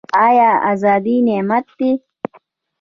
آیا ازادي نعمت دی؟